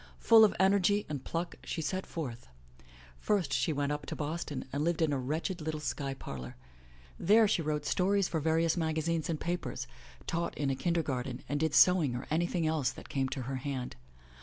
Full of energy and pluck, she set forth. First she went up to Boston and lived in a wretched little sky parlor. There she wrote stories for various magazines and papers, taught in a kinder garten and did sewing or any thing else that came to her hand.